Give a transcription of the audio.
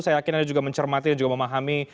saya yakin anda juga mencermati dan juga memahami